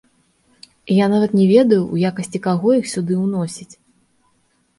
Я нават не ведаю, у якасці каго іх сюды ўносіць?